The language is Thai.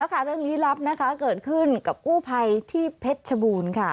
ค่ะเรื่องลี้ลับนะคะเกิดขึ้นกับกู้ภัยที่เพชรชบูรณ์ค่ะ